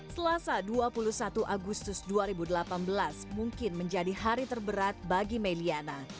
selasa dua puluh satu agustus dua ribu delapan belas mungkin menjadi hari terberat bagi meliana